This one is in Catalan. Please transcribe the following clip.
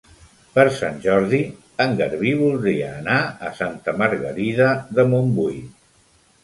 Per Sant Jordi en Garbí voldria anar a Santa Margarida de Montbui.